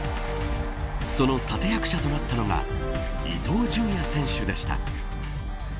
その立役者となったのが伊東純也選手でした。